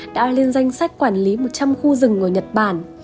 đã lên danh sách quản lý một trăm linh khu rừng ở nhật bản